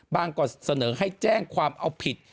บ้างก็เสนอให้แจ้งความเอาผิด